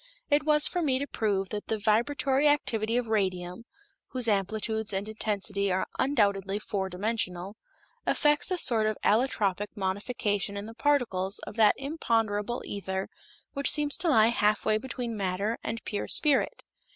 It was for me to prove that the vibratory activity of radium (whose amplitudes and intensity are undoubtedly four dimensional) effects a sort of allotropic modification in the particles of that imponderable ether which seems to lie halfway between matter and pure spirit.